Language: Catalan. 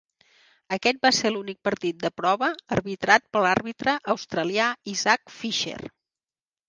Aquest va ser l'únic partit de prova arbitrat pel l'àrbitre australià Isaac Fisher.